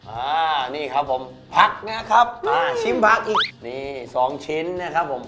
อ่านี่ครับผมผักนะครับอ่าชิ้นผักอีกนี่สองชิ้นนะครับผม